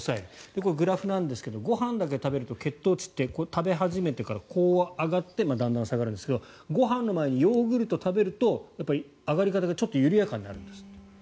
これ、グラフなんですがご飯だけ食べると、血糖値って食べ始めてこう上がってだんだん下がるんですがご飯の前にヨーグルトを食べると上がり方がちょっと緩やかになるんですって。